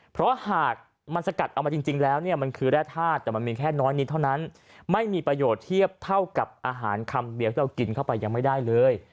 เพราะหากมันสกัดเอามาจริงแล้วเนี่ยมันคือแร่ธาตุแต่มันมีแค่น้อยนิดเท่านั้นไม่มีประโยชน์เทียบเท่ากับอาหารคำเดียวที่เรากินเข้าไปยังไม่ได้เลย